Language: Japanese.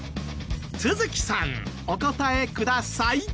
都築さんお答えください。